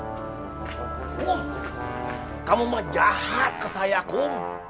kum kamu mah jahat ke saya kum